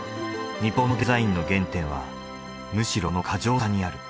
日本のデザインの原点はむしろこの過剰さにある。